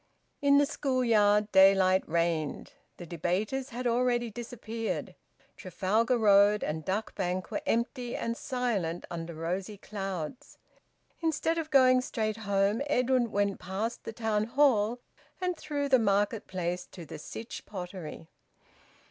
In the school yard daylight reigned. The debaters had already disappeared. Trafalgar Road and Duck Bank were empty and silent under rosy clouds. Instead of going straight home Edwin went past the Town Hall and through the Market Place to the Sytch Pottery.